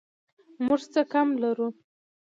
موږ څه کم لرو